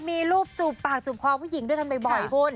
มีรูปจูบปากจูบคอผู้หญิงด้วยกันบ่อยคุณ